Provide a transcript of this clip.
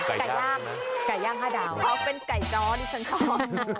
ไก่ย่างไก่ย่าง๕ดาวเขาเป็นไก่จ้อที่ฉันชอบ